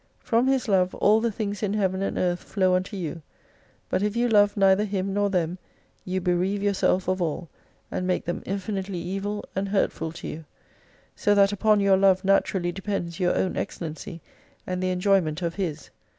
From His love all the things in Heaven and Earth flow unto you ; but if you love neither Him nor them, you bereave yourself of all, and make them infinitely evil and hurtful to you. So that upon your love naturally depends your own excellency and the enjoyment of His.